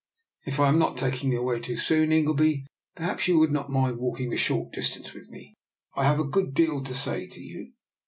If I am not taking you away too soon, Ingleby, perhaps you would not mind walking a short distance with me. I have a good deal to say to you."